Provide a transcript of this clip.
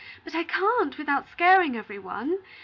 But I can't without scaring every one.